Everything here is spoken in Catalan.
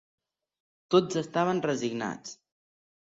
Tots estaven resignats